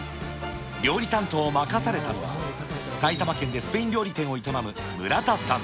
料理担当を任されたのは、埼玉県でスペイン料理店を営む村田さん。